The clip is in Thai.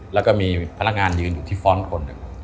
แล้วก็มีพนักงานยืนอยู่ที่ฟ้อนต์คนหนึ่ง